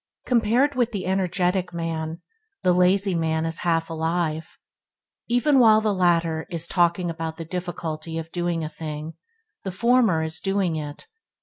Compared with the energetic man, the lazy man is not half alive. Even while the latter is talking about the difficult of doing a thing, the former is doing it.